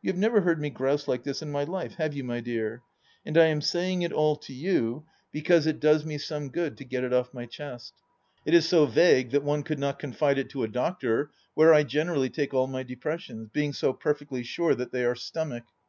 You have never heard me grouse like this in my life, have you, my dear ? I am saying it all to you because it does 166 THE LAST DITCH me some good to get it oft my chest. It is so rague that one could not confide it to a doctor, where I generally take all my depressions, being so perfectly sure that they are stomach.